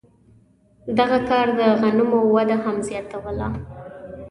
دغه کار د غنمو وده هم زیاتوله.